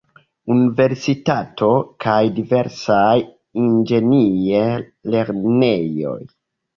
Universitato kaj diversaj inĝenier-lernejoj.